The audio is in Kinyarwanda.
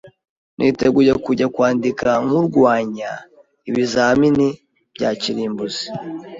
Niteguye kujya kwandika nkurwanya ibizamini bya kirimbuzi.